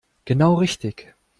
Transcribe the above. Genau richtig.